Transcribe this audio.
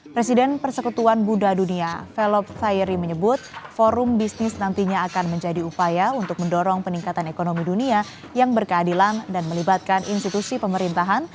presiden persekutuan buddha dunia velop fairy menyebut forum bisnis nantinya akan menjadi upaya untuk mendorong peningkatan ekonomi dunia yang berkeadilan dan melibatkan institusi pemerintahan